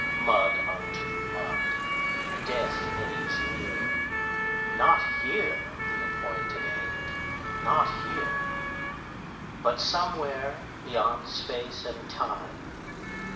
15Mud unto mud! Death eddies near 16Not here the appointed End, not here!17But somewhere, beyond Space and Time.